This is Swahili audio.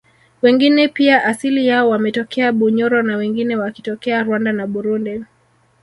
wengine pia asili yao wametokea Bunyoro na wengine wakitokea Rwanda na Burundi